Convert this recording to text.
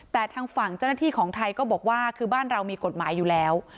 แต่ทางฝั่งเจ้าหน้าที่ของไทยก็บอกว่าคือบ้านเรามีกฎหมายอยู่แล้ว